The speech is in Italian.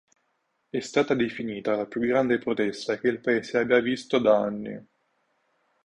È stata definita la più grande protesta che il Paese abbia visto da anni.